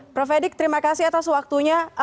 prof edik terima kasih atas waktunya